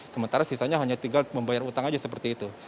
sementara sisanya hanya tinggal membayar utang saja seperti itu